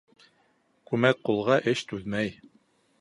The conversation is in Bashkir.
Күмәк ҡулға эш түҙмәй.